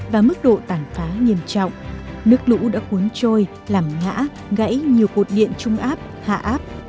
và mức độ tản phá nghiêm trọng nước lũ đã cuốn trôi làm ngã gãy nhiều cột điện trung áp hạ áp